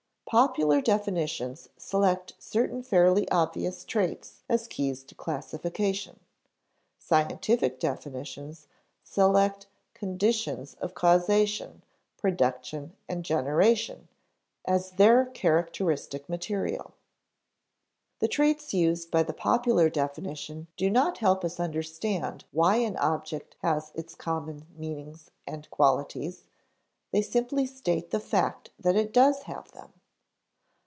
Popular definitions select certain fairly obvious traits as keys to classification. Scientific definitions select conditions of causation, production, and generation as their characteristic material. The traits used by the popular definition do not help us to understand why an object has its common meanings and qualities; they simply state the fact that it does have them.